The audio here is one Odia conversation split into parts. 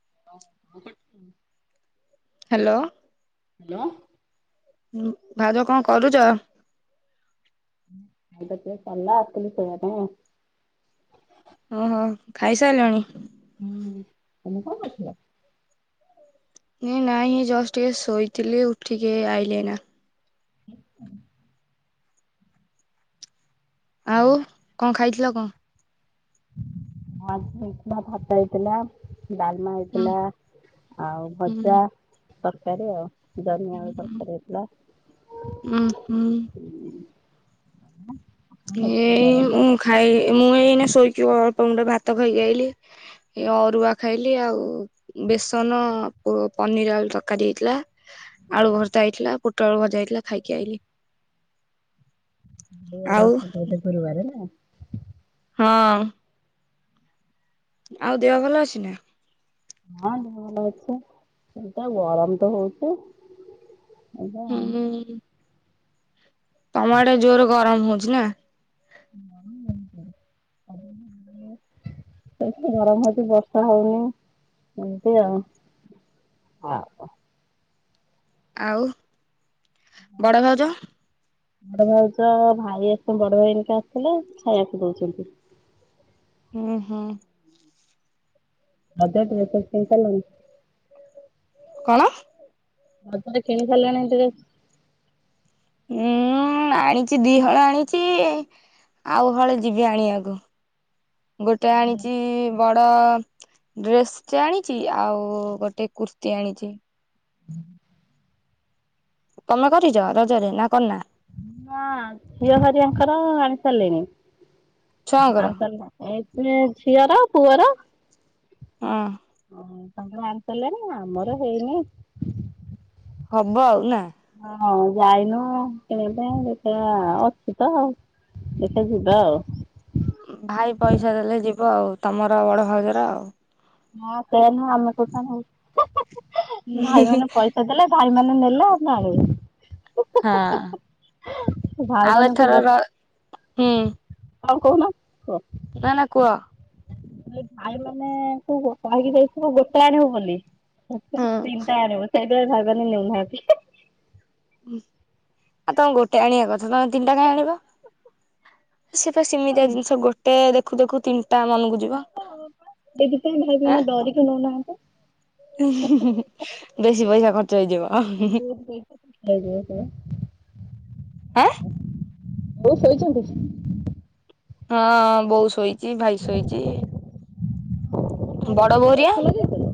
[inaudible] ହ୍ୟାଲୋ। ହ୍ୟାଲୋ ଭାଉଜ କଣ କରୁଚ? ଖାଇବା ପିଇବା ସରିଲା ଆସିଲୁ ଶୋଇବା ପାଇଁ ଆଉ ଓହୋ ଖାଇ ସାରିଲଣି? ହୁଁ ତମେ କଣ ଅଛ ନଁ ନାଇଁ ଜଷ୍ଟ ଏ ସୋଇଥିଲି ଉଠିକ ଏଇ ଆଇଲି ଇନା ହ ଆଉ କଣ ଖାଇ ଲ କଣ? ହେଇଥିଲା ଭାତ ହେଇଥିଲା ଡାଲମା ହୁଁ ହେଇଥିଲା ଆଉ ହୁଁ। ଭଜା ତରକାରୀ ଆଉ ଜହ୍ନି ଆଳୁ ତରକାରି ହେଇଥିଲା ଉଁ ହୁଁ ହଁ ଏଇ ମୁଁ ଖାଇ ମୁଁ ଏଇନା ଶୋଇକି ଅଳ୍ପ ଗୁଣ୍ଡେ ଭାତ ଖାଇକି ଆଇଲି। ଏ ଅରୁଆ ଖାଇଲେ ଆଉ ବେସନ ପ ପନିର ଆଳୁ ତରକାରୀ ହେଇଥିଲା। ଆଳୁ ଭର୍ତ୍ତା ହେଇଥିଲା ପୋଟ ଟଳ ଭଜା ହେଇଥିଲା ଖାଇକି ଆଇଲି। ତୋର ଆଉ ଗୋଟେ ପରିବାର ନା ହଁ ଆଉ ଦେହ ଭଲ ଅଛି ନା? ହଁ ଦେହ ଭଲ ଅଛି ସେଇତ ଗରମ ତ ହଉଛି। ଏଇଟା ହୁଁ। ତମ ଆଡେ ଜୋର ଗରମ ହୁ ବୁଝିଲ ଏଠି ଗରମ ହଉଛି ବର୍ଷା ହଉନି ଏମତି ଆଉ ଆଉ ବଡ ଭାଉଜ? ବଡ ଭାଉଜ ଭାଇ ଆସଛନ୍ତି ବଡ ଭାଇ ଏନିକା ଆସିଲେ ଖାଇବାକୁ ଦଉଛନ୍ତି। ହୁଁ ହୁଁ ରଜ ଡ୍ରେସ୍ ଫ୍ରେଶ୍ କିଣି ସାରିଲୁଣି? କଣ? ରଜରେ କିଣି ସାରିଲେଣି ଡ୍ରେସ ହୁଁ ଆଣିଛି ଦିହଳ ଆଣିଛି ଆଉହଳେ ଯିବି ଆଣିବାକୁ, ଗୋଟେ ଆଣିଛି ବଡ ଡ୍ରେସ ଟେ ଆଣିଛି ଆଉ ଗୋଟେ କୁର୍ତିୀ ଆଣିଛି। ହୁଁ ତମେ କରିଛ ରଜରେ ନା କରିନା? ନା ଝିଅ ହରିଆଙ୍କର ଆଣି ସାରିଲେଣି। ଛୁଆଙ୍କର ଆଣି ସାରିଲୁଣି ଏଇକ? ଏ ଝିଅର ପୁଅର ହଁ। ତାଙ୍କର ଆଣିସାରିଲଣି ଆମର ହେଇନି। ହବ ଆଉ ନା ହଁ ଯାଇନୁ କିଣିବା ଦେଖିବା ଅଛି ତ ଆଉ ଦେଖିବା ଯିବା ଆଉ ଭାଇ ପଇସା ଦେଲେ ଯିବ ଆଉ ତମର ବଡ ଭାଉଜର ଆଉ। ହଁ ସେଇଆ ନୁହଁ ଆମେ କୋଉଠୁ ଆଣିବୁ, ହେଁ ହେଁ ଭାଇ ମାନେ ପଇସା ଦେଲେ ଭାଇ ନେଲ ନେଲ ନା ଆଣିବି? ହଁ ଭାଇ ଆଉ ମାନଙ୍କୁ ଏଥର ର ହୁଁ ଆଉ କହୁନ କୁହ ନା ନା କୁହ। ଭାଇ ମାନେ ତୁ ଗୋଟା ହେଇକି ଯାଇଛୁ ଗୋଟେ ଆଣିବୁ ବୋଲି ସେ ସେ ହୁଁ ତିନିଟା ଆଣିବୁ ସେଇ କେହି ଭାଗ ନି ନେଉଁନାହାନ୍ତି। ଆଉ ତମେ ଗୋଟେ ଆଣିବା କଥା ତମେ ତିନିଟା କାହିଁ ଆଣିବ। ସେ ତ ସିମିତିଆ ଜିନିଷ ଗୋଟେ ଦେଖ ଦେଖ ଦେଖୁ ତିନ ଏଥିପାଇଁ ଭାଇ ମାନେ ଡରିକି ନଉନାହାନ୍ତି। ହୁଁ ହୁଁ ହୁଁ ବେଶି ପଇସା ଖର୍ଚ୍ଚ ହେଇଯିବ। ଅହଁ ହଁ ବହୁତ ପଇସା ହେଇଯିବ। ହେଁ? ବୋଉ ଶୋଇଛନ୍ତି। ହଁ ବଉ ଶୋଇ ଚି ଭାଈ ଶୋଇଚି। ବାରିରେ କି ବଡବଉ କି ହେରିଆ ଗଛ ଲଗେଇଛ?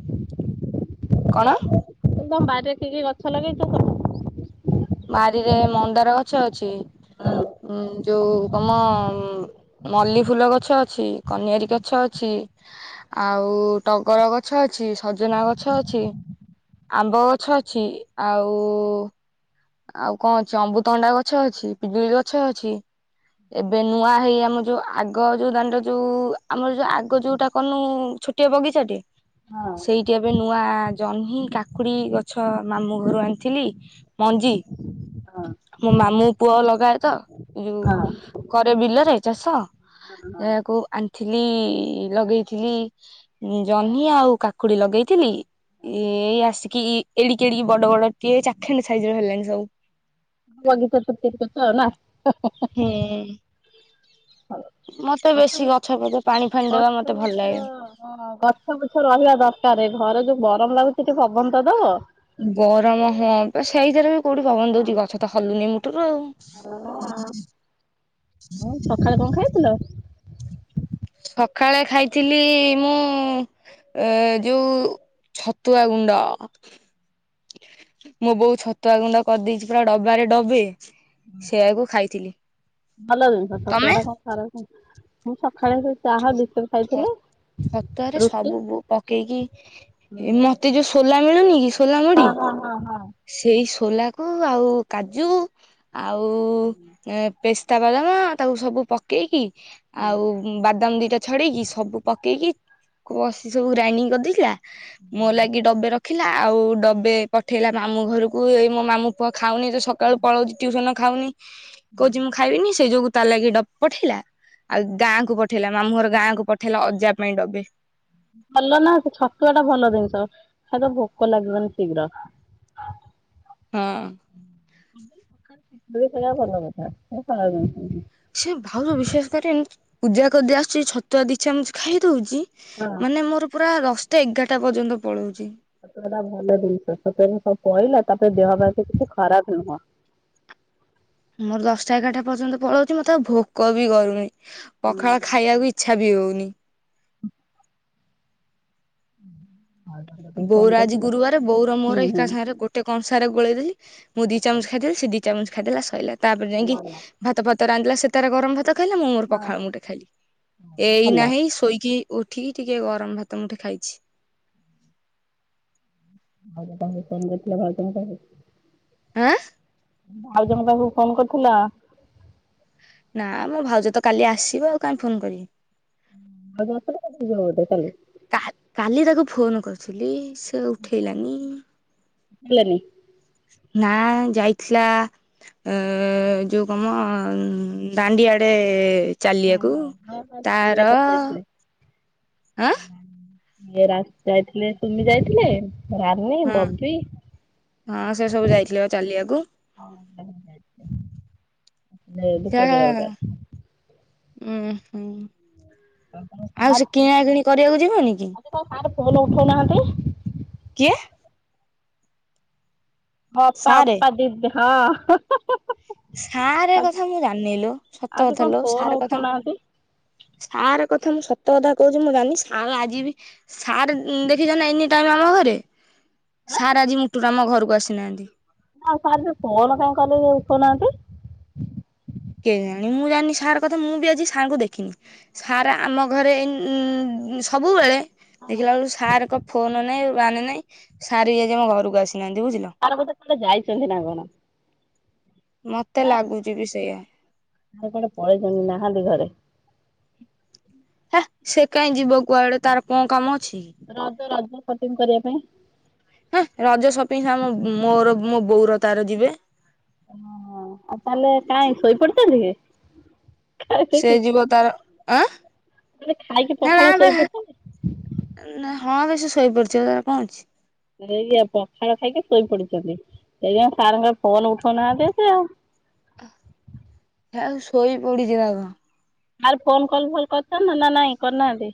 କଣ? ତମ ବାରିରେ କିି କି ଛି ଗଛ ଲଗେଇଛ ତମେ? ବାରିରେ ମନ୍ଦାର ଗଛ ଅଛି ହଁ ଉଁ ଯୋଉ କମ ମଲ୍ଲିୀ ଫୁଲ ଗଛ ଅଛି କନିଆରୀ ଗଛ ଅଛି ଆଉ ଟଗର ଗଛ ଅଛି ସଜନା ଗଛ ଅଛି ଆମ୍ବ ଗଛ ଅଛି ଆଉ ଆଉ କଣ ଅଛି ଅମୃତଭଣ୍ଡା ଗଛ ଅଛି ପିଜୁଳି ଗଛ ଅଛି ଏବେ ନୂଆ ହେଇ ଆମର ଯୋଉ ଆଗ ଯୋଉ ଦାଣ୍ଡ ଯୋଉ ଆମର ଯୋଉ ଆଗ ଯୋଉଟା କରିନୁ ଛୋଟିଆ ବଗିଚାଟେ ହଁ ସେଇଠି ଏବେ ନୂଆ ଜହ୍ନି କାକୁଡି ଗଛ ମାମୁଁ ଘରୁ ଆଣିଥିଲି। ମଞ୍ଜି ହଁ ମୋ ମାମୁଁ ପୁଅ ଲଗାଏ ତ ଏ ଯୋଉ ହଁ। କରେ ବିଲରେ ଚାଷ ଯାକୁ ଆଣିଥିଲି ଲଗେଇଥିଲି ଜହ୍ନି ଆଉ କାକୁଡି ଲଗେଇଥିଲି ଏଇ ଆସିକି ଏଡିକି ଏଡିକି ବଡ ବଡ ଟିଏ ଚାଖେଣ୍ଡେ ସାଇଜରେ ହେଲାଣି ସବୁ। ହ ତ ସତ କଥା ନା ହୁଁ। ମତେ ଗଛଛ ବେଶୀ ଗଛ ପଛ ପାଣି ଫାଣି ଦେବା ହଁ ମତେ ଭଲ ଲାଗେ। ଗଛ ବୃଛ ରହିବା ଦରକାର ଘରେ ଯୋଉ ଗରମ ଲାଗୁଛି ଟିକେ ପବନ ତ ଦବ। ଗରମ ହଁ ବ ସେଇଥିରେ। କୋଉଠି ପବନ ଦଉଛି ଗଛ ତ ହଲୁନି ମୁ [unintelligible] ହଁ ସକାଳେ କଣ ଖାଇଥିଲ? ସକାଳେ ଖାଇଥିଲି ମୁଁ ଏ ଯୋଉ ଛତୁଆ ଗୁଣ୍ଡ ମୋ ବୋଉ ଛତୁଆ ଗୁଣ୍ଡ କରିଦେଇଛି ପୁରା ଡବାରେ ଡବେ। ସେଆକୁ ଖାଇଥିଲି। ଭଲ ଜିନିଷ ତମେ? ଛତୁଆଟା କଣ ଖରାପ ଜିନିଷ ଛତୁଆରେ ରୁଟି ସବୁ ପକେଇକି ମତେ ଯୋଉ ସୋ ସୋଲା ମିଳୁନି କି। ସୋଲା ମୁଢ଼ି। ହଁ ହଁ ହଁ ହଁ ସୋଲାକୁ ଆଉ କାଜୁ। ଆଉ ପେ ତା ବାଦମ ତାକୁ ସବୁ ପକେଇକି। ଆଉ ବାଦାମ ଦୁଇଟା ଛଡ଼େଇକି ସବୁ ପକେଇ ବସି ସବୁ ଗ୍ରାଇଣ୍ଡିଙ୍ଗ କରିଦେଇଥିଲା। ମୋ ଲାଗି ଡବେ ରଖ ରଖିଲା ଆଉ ଡବେ ପଠେଇଲା ମାମୁଁ ଘରକୁ ଏ ମୋ ମାମୁଁ ପୁଅ ଖାଉନି ତ ସକାଳୁ ପଳଉଛି ଟ୍ୟୁସନ ଖାଉନି। କହୁଛି ମୁଁ ଖାଇବିନି ସେ ଯୋଗୁ ତା ଲାଗି ଡବା ପଠେଇଲା। ଆଉ ଗାଁ ପଠେଇଲା ମାମୁଁର ଗାଁ କୁ ପଠେଇଲା ଅଜା ପାଇଁ ଡବେ। ଭଲ ନା ସେ ଛତୁଆ ଟା ଭଲ ଜିନିଷ ଖାଇ ତ ଭୋକ ଲାଗିବନି ଶୀଘ୍ର। ହଁ ସେଇା ଭଲ କଥା ମୁଣ ସେ ଭାଉର ବିଶେଷ କରି ପୂଜା କରିଦି ଆସୁଛି ଛତୁଆ ଦିଛାମ ଖାଇ ଦଉଛି ହଁ ମାନେ ମୋର ପୁରା ଦଶଟା ଏଗାରଟା ପର୍ଯ୍ୟନ୍ତ ପଳାଉଛି ସତବେଟା ଭଲ ଜିନିଷ ସତବେ ସବୁ କହିଲା ତାପରେ ଦେହ ବାଳ କିଛି ଖରାପ ନୁହଁ ମୋର ଦଶଟା ଏଗାରଟା ପର୍ଯ୍ୟନ୍ତ ପଳଉଛି ମତେ ଆଉ ଭୋକ ବି କରୁନି ପଖାଳ ଖାଇବାକୁ ଇଚ୍ଛା ବି ହଉଛି ଅୁନି ହୁଁ ବଉର ଆଜି ଗୁରୁବାର ବୋର ହୁଁ ମୋର ହୁଁ ଏକା ସାଙ୍ଗରେ ଗୋଟେ କଣ? ଖାର ଗୋଳେଇରେ ମୁଦି ଚାମଚ ଖା ସିି ଚାମୁଚ ଖାଇଦଲା ଶହଇଲା ତାପରେ ହଁ ଯାଇକି ଭଲ। ଭାତ ଫ ତ ରାନ୍ିଲ ସ ସେୋର ଗରମାତ ଖହଲା ମୁଁ ମୋର ପଖାଳ ମୁଁଟେ ଖାଲି ଏଇ ନାହିଁ ଶୋଇକି ଉଠିକି ଟିକେ ଗରମ ଭାତ ମୁଁଠେ ଖାଇଛି। ଆଉ କଥିଲା ଭାଉ କ ଆଁ ଭାଉଜଙ୍କ ପାଖକୁ ଫୋନ୍ କରୁଥିଲା। ନା ମୋ ଭାଉଜ ତ କାଲି ଆସିବ ଆଉ କହିଁ ଫୋନ କରିବି। ଆଗପଣ କ ଯାଉଧ କାଲି ଫୋନ୍ କରୁଥିଲି ସେ ଉଠେଇଲାନି। ଠାଲନି ନା ଯାଇଥିଲା ଅ ଯୋଉ କମ ଦାଣ୍ଡିଆଡେ ହଁ ଚାଲିବାକୁ ହଁ ହଁ ହଁ ତାର ଚାଲ ପାଇଁ ଯାଇଥିଲେ। ଆଁ ରା ଯାଇଥିଲେ ତୁମି ଯାଇଥିଲେ ରନୀ ହଁ ବବି, ହଁ ସେ ସବୁ ଯାଇଥିଲେ ବା ଚାଲିବାକୁ ଯାଇଥିଲେ ଉ ହୁ। ଆଉ ତମ ଆଉ ସାର୍ ସେ କିଣା କିିଣି କରିବାକୁ ଯିବନି କି। କନ ଉଠାଉନାହାନ୍ତି। କିଏ? ହଁପା ସାରେ ଅପା ଦିଦେ ହଁ। ସାର୍ କଥା ମୁଁ ଜାଣି ନେଇଲୋ ସତ ଆଜି କଣ କଥାଲୋ ସାର୍ ଫୋନ୍ କଥା ଉଠଉନାହାନ୍ତି ସାର୍ କଥା ମୁଁ ସତ କଥା କହୁଛି ମୁଁ ଜଣି ସାର୍ ଆଜି ବି ସାର୍ ଦେଖିଛ ଏନି ଟାଇମ୍ ଆମ ଘରେ। ସାର୍ ଆଜି ମୁଟୁ ଆମ ଘରକୁ ଆସିନାହାନ୍ତି। ନା ସାର ଫନ କାଇଁ କଲେ ଉଠନାହାନ୍ତି। କିଏ ଜାଣି ମୁଁ ଜାଣିନି ସାର୍ କଥା ମୁଁ ବି ଆଜି ସାର ଙ୍କୁ ଦେଖିନି ସାର୍ ଆମ ଘରେ ସବୁବେଳେ ଦେଖିଲା ବେଳୁ ସାର୍ ଏକ ଫୋନ ନାଇଁ ଆଣେ ନାଇଁ ସାର ଆଜି ଆମ ଘରକୁ ଆସି ସାର ବୋଧେ କୁଆଡେ ଯାଇଛନ୍ତି ନା କଣ? ମତେ ଲାଗୁଛି ବି ସେଇଆ। ଆରେ କୁଆଡେ ପଳେଇଛନ୍ତି ନାହାନ୍ତି ଘରେ। ହେ ସେ କହିଁ ଯିବ କୁଆଡେ ତାର କଣ କାମ ଅଛି କି? ରାଧେ ରାଧେ। ସପିଙ୍ଗ କରିବା ପାଇଁ। ହେଁ ରଜ ସପିଙ୍ଗ ମୋର ମୋ ବୋଉର ତାର ଯିବେ। ଓ ଆଉ ତାହେଲେ କାଇଁ ଶୋଇପଡିଛନ୍ତି। ସେ ଖାଇପିଇକି ଯିବ ତାର ଆ ମାନେ ଖାଇକି ହେ ପଖାଳ ଶୋଇପଡିଛନ୍ତି ହଁ ବେଶୀ ଶୋଇପଡିଛି ତାଲେ କଣ ଅଛି। ପଖାଳ ଖାଇକି ଶୋଇ ପଡିଛନ୍ତି ସେଇ ପା ସାର ଙ୍କ ଫୋନ ଉଠଉନାହାନ୍ତି ସେ ଆଉ। ଥାଉ ଶୋଇ ପଡିଛି ନା କ ଆର୍ ଫୋନ କଲ ଭଲ୍ କରିଥା ନା ନା ନାଇଁ କରିନାହାନ୍ତି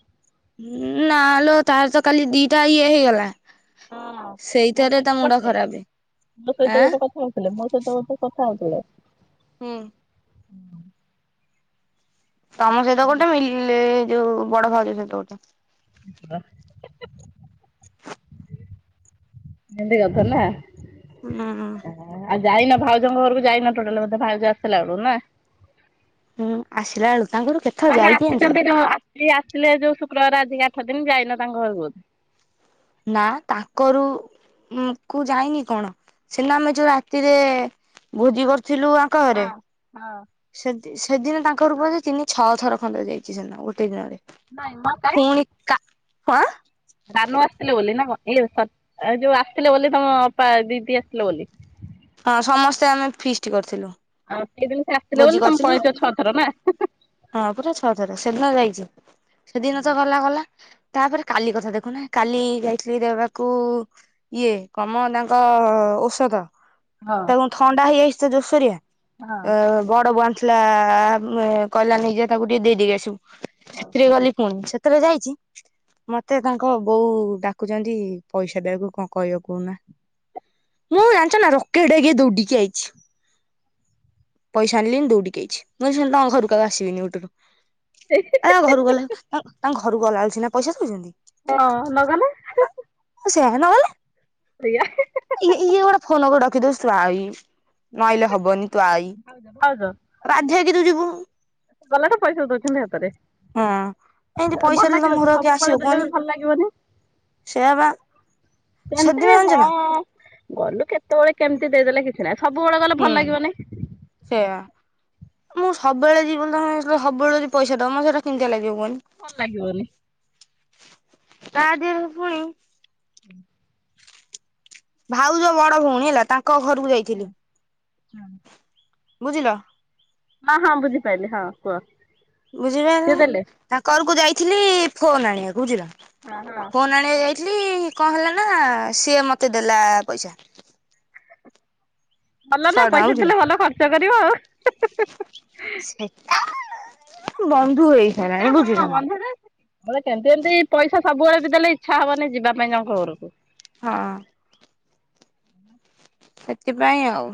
ନାଲୋ ତାର ତ କାଲି ଦିଟା ଇଏ ହେଇଗଲା। ହଁ ମୋ ସେଇଥିରେ ତା ସହିତ ମୁଣ୍ଡ ଗୋଟେ ଖରାପ ମୋ ସହିତ ଆଁ ଗୋଟେ କଥା ହଉଥିଲେ ମୋ ସହିତ ଗୋଟେ କଥା ହଉଥିଲେ। ହୁଁ। ତମ ସହିତ ଗୋଟେ ମିଲି ଲେ ଯୋଉ ବଡ ଭାଉଜ ସହିତ ଗୋଟେ। ହ [unintelligible] ନି [unintelligible] ଦୀଗଦଲା ହୁଁ। ଯାଇନ ଭାଉଜଙ୍କ ଘରକୁ ଯାଇନ ଟୋଟାଲ ବଧେ ମ ଭାଉଜ ଆଶ୍ ତଲା ଳୁନା ହୁଁ ଆସିଲା ବେଳୁ ତାଙ୍କର କେତେଥର ମାନେ ଯାଇଛି ଜାଣିଛ? ଆସିଚନ୍ତି ଯୋଉ ଆସ ଆସିଲେ ଯୋଉଶ୍ କ୍ରର ଆଧିକା ଆଠ ଦିନ ଯାଇନ ତାଙ୍କ ଘରକୁ ନା ତାଙ୍କରୁ ଉଁ ଯାଇନି କଣ ସିନା ଆମେ ଯୋଉ ରାତିରେ ଭୋଜି କର ଥିଲୁଆଙ୍କ ଘରେ ହଁ ସେ ସେଦିନୁ ତାଙ୍କରୁ ବଧେ ତିନି ଛଅ ଥର ଖଣ୍ଡେ ଯାଇଚି ସେନ ଗୋଟେ ଦିନରେ ନାଇଁ ମର ଟାରେ ଙ୍କ ଭାନୁ ଆସିଥିଲେ ବୋଲି ନା କ ଇଲୋ ସତ୍ ଆଉ ଯୋଉ ଆସ ତିଲେ ବୋଲି ତମ ଅପା ଦିଦି ଆଶ୍ ତିଲେ ବୋଲି ହଁ ସମସ୍ତେ ଆମେ ଫିଷ୍ଟ କରିଥିଲୁ ଏଇଦିନ ସେ ଆସଥିଲେ ଭୋଜି ବୋଲି ତମେ କରିଥିଲୁ ପଳେଚ ଛଅ ଥର ନା ହିଁ ହିଁ ହଁ ପୁରା ଛଅ ଥର ସେଦିନ ଯାଇଛି ସେଦିନ ତ ଗଲା ଗଲା ତାପରେ କାଲି କଥା ଦେଖୁନା କାଲି ଯାଇଥିଲି ଦେବାକୁ ଇଏ କନ୍ ମ ତାଙ୍କ ଔଷଧ। ହଁ ତାକୁ ଥଣ୍ଡା ହେଇଯାଇଶ୍ ସେ ଜୋର୍ ସାରିଆ ହଁ ଆ ବଡ ବଂସ୍ ଲା ଆ ଆ କହିଲା ନେଇଯା ତାକୁ ଟିକେ ଦେଇଦେଇକି ଆସିବୁ। ହଉ। ସେଥିରେ ଗଲି ପୁଣି ସେ ଥିରେ ଯାଇଛି ମତେ ତାଙ୍କ ବୋଉ ଡାକୁଛନ୍ତି ପଇସା ଦେବୁ କଣ କଇବୁ କଉନା ମୁଁ ଜାଣିଛ ନା ରକେଟେ ହେଇକି ଦୌଡିକି ଆଇଛି। ପଇସା ଆନ୍ଲନ୍ ଦୋଉଡ଼ିକି ଆଇଚି। ମୁଇ ଶୁନ୍ ନା ତାଙ୍କ ଘରକୁ ଆଉ ଆସିବିନି ମୋଟୁରୁ। ତା ଘରୁ ଗଲେ ତାଙ୍କ ତାଙ୍କ ଘରୁ ଗଲା ଆଳ ସିନା ପଇସା ଦେଉଚ ନ୍ତି ହଁ ନଗଲେ ହିଁ। ସେ ଅ ନଗଲେ ଇ ଇଏ ଗୋଡେ ଫୋନ ଗଡ ଖିଦୂର୍ ଆଇ ନଆଇଲେ ହବନି ତୁ ଆଇ। ହଉ ଜ କି ତୁ ଯିବୁ। ଗଲେ ତ ପଇସା ଦଉଛନ୍ତି ହାତରେ। ହଁ ଏମିତି ଭଲ ପଇସା ଦେଲେ ଲାଗିବ ତମ କି ଘର କୁ ଆଉ କିଏ ସବୁବେଳେ ଆସିବ ଦେଲେ ବି କୁହନି ଭଲ ଲାଗିବନି। ସେୟା ବା। ସେମତି ସେଦିନ ଜାଣିଛ ହଁ ନା ଗଲୁ କେତେବେଳେ କେମିତି ଦେଇଦେଲେ କିଛି ନାହିଁ ସବୁବେଳେ ଗଲେ ଭଲ ହୁଁ ଲାଗିବନି। ସେୟା ମୁଁ ସବୁବେଳେ ଯିବି ବୋଲି ତମେ ସବୁବେଳେ ଯଦି ପଇସା ଦବ ମତେ ସେଇଟା କିମିତିଆ ଲାଗିବ କୁହନି। ଭଲ ଲାଗିବନି ତା ଦିହରେ ପୁଣି ଭାଉଜ ବଡ ଭଉଣୀ ହେଲା ତା ଙ୍କ ଘରୁକୁ ଯାଇଥିଲି। ବୁଝିଲ ହଁ ହଁ ବୁଝିପାଇଲି ହଁ କୁହ। ବୁଝି ପାଇଲ ସିଏ ନା ଦେଲେ ତାଙ୍କ ଘରକୁ ଯାଇ ଥିଲି ଫୋନ ଆଣିଆକୁ ବୁଝିଲ ହଁ ହଁ ଫୋନ ଆଣିଆକୁ ଯାଇ ଥିଲି କଣ ହେଲା ନା ସିଏ ମତେ ଦେଲା ପଇସା। ଭଲ ନା ଟଙ୍କା ପଇସା ବୁଝିଲ। ଦେଲେ ଭଲ ଖର୍ଚ୍ଚ କରିବ। ବ ସେଇଟା ହଁ ବନ୍ଧୁ ରେ ବୋଇଲେ କେ ଯେମତି ପଇସା ସବୁବେଳେ ବି ଦେଲେ ଇଚ୍ଛା ହବନି ଯିବା ପାଇଁ ଜଣଙ୍କ ଘରକୁ। ହଁ ସେଥିପାଇଁ ଆଉ।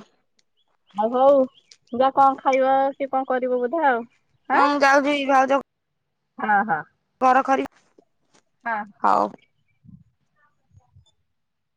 ଆଉ ହଉ ଯା କଣ ଖାଇବ କି କଣ କଣ କରିବ ବୋଧେ ଆଉ। ହଁ ଯାଉଛି ଭାଉଜ ହଁ ହଁ ଘର ଖରି ହଁ ହଉ